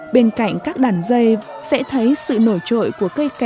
bên cạnh các đàn dây sẽ thấy sự nổi trội của cây kè